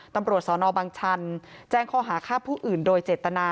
ตำรวจสนบังชันแจ้งข้อหาฆ่าผู้อื่นโดยเจตนา